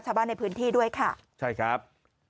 ชาวบ้านในพื้นที่ด้วยค่ะใช่ครับ